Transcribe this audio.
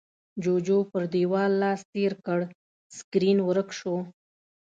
جُوجُو پر دېوال لاس تېر کړ، سکرين ورک شو.